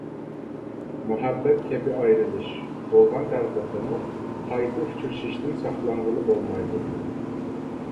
«مۇھەببەت كەبى ئايرىلىش» بولغان تەقدىردىمۇ قايتا ئۇچرىشىشتىن ساقلانغىلى بولمايدۇ.